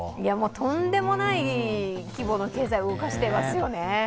とんでもない規模の経済を動かしてますよね。